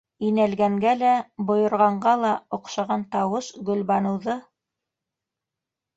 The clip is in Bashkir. Инәлгәнгә лә, бойорғанға ла оҡшаған тауыш Гөлбаныуҙы